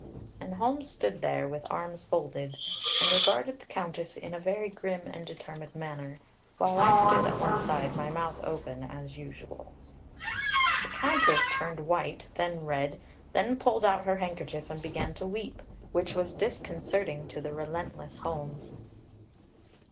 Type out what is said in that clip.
And Holmes stood there, with arms folded, and regarded the Countess in a very grim and determined manner, while I stood at one side, my mouth open, as usual. The Countess turned white, then red, then pulled out her handkerchief and began to weep, which was disconcerting to the relentless Holmes.